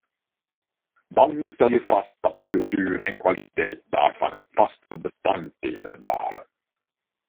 Dan stel je vast dat cultuur en kwaliteit daarvan vaste bestanddelen waren.